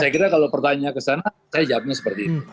saya kira kalau pertanyaan kesana saya jawabnya seperti itu